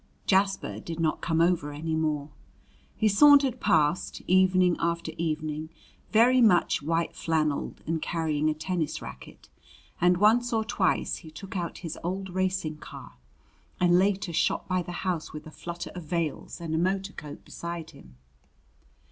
Jasper did not come over any more. He sauntered past, evening after evening, very much white flanneled and carrying a tennis racket. And once or twice he took out his old racing car, and later shot by the house with a flutter of veils and a motor coat beside him.